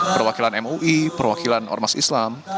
perwakilan mui perwakilan ormas islam